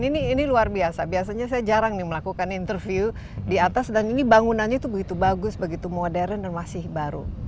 ini luar biasa biasanya saya jarang melakukan interview di atas dan ini bangunannya itu begitu bagus begitu modern dan masih baru